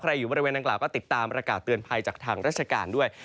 อยู่บริเวณนางกล่าวก็ติดตามประกาศเตือนภัยจากทางราชการด้วย